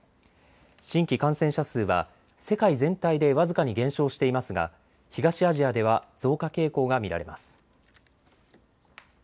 新規感染者数は世界全体で僅かに減少していますが東アジアでは増加傾向が見られます。